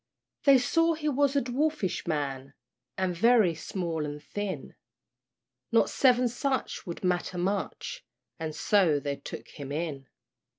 They saw he was a dwarfish man, And very small and thin; Not seven such would matter much, And so they took him in.